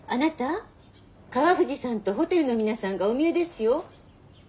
川藤さんとホテルの皆さんがおみえですよ。